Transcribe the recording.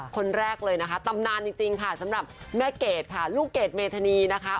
คนแรกเลยนะคะตำนานจริงค่ะสำหรับแม่เกดค่ะลูกเกดเมธานีนะคะ